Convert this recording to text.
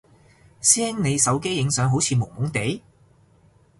師兄你手機影相好似朦朦哋？